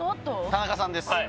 田中さんです